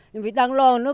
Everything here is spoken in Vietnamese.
nhưng vì đang lo nước